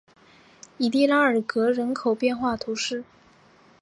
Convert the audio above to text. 萨蒂拉尔格人口变化图示